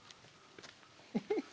フフフ！